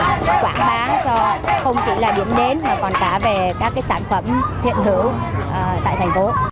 để quảng bá cho không chỉ là điểm đến mà còn cả về các cái sản phẩm hiện hữu tại thành phố